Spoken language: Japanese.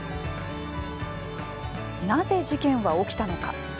なぜ事件は起きたのか。